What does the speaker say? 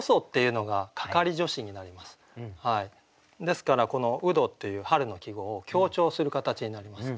ですからこの「独活」っていう春の季語を強調する形になります。